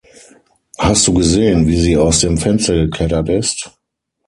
Hast du gesehen, wie sie aus dem Fenster geklettert ist?